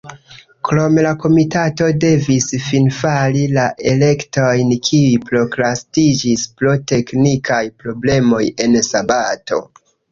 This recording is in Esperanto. Krome la komitato devis finfari la elektojn, kiuj prokrastiĝis pro teknikaj problemoj en sabato.